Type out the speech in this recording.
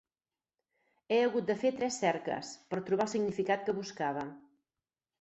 He hagut de fer tres cerques per trobar el significat que buscava.